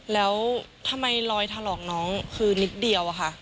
แล้วทำไมรอยถลอกน้องคือนิดเดียวอะค่ะ